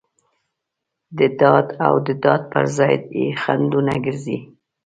د داد او ډاډ پر ځای یې خنډ ونه ګرځي.